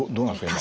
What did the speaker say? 今。